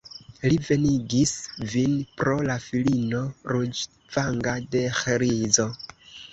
Li venigis vin pro la filino ruĝvanga de Ĥrizo.